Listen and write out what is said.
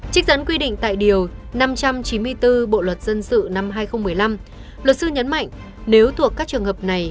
trích dẫn quy định tại điều năm trăm chín mươi bốn bộ luật dân sự năm hai nghìn một mươi năm luật sư nhấn mạnh nếu thuộc các trường hợp này